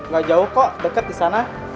gak jauh kok dekat di sana